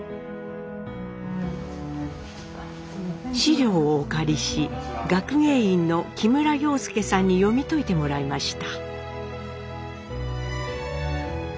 資料をお借りし学芸員の木村洋介さんに読み解いてもらいました。